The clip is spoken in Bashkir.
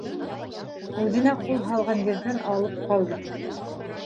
Үҙенә ҡул һалған ерҙән алып ҡалдым.